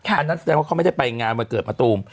อันนั้นแสดงว่าเขาไม่ได้ไปงานวันเกิดมะตูม